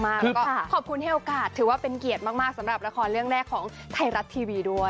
แล้วก็ขอบคุณให้โอกาสถือว่าเป็นเกียรติมากสำหรับละครเรื่องแรกของไทยรัฐทีวีด้วย